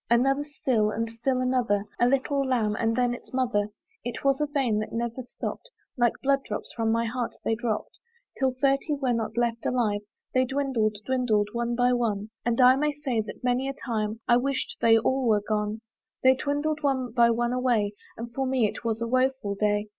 Another still! and still another! A little lamb, and then its mother! It was a vein that never stopp'd, Like blood drops from my heart they dropp'd. Till thirty were not left alive They dwindled, dwindled, one by one, And I may say that many a time I wished they all were gone: They dwindled one by one away; For me it was a woeful day.